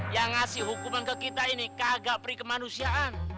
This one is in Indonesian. yang ngasih hukuman ke kita ini kagak prikemanusiaan